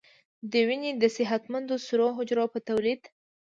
د وینې د صحتمندو سرو حجرو په تولید